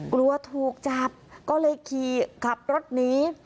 กลัวถูกจับก็เลยขี่ขับรถหนี